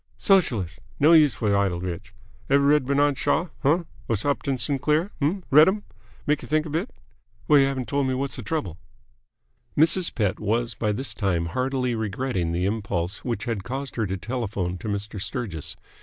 "Sogelist! No use f'r idle rich. Ev' read B'nard Shaw? Huh? Or Upton Sinclair? Uh? Read'm. Make y'think a bit. Well, y'haven't told me whasser trouble." Mrs. Pett was by this time heartily regretting the impulse which had caused her to telephone to Mr. Sturgis.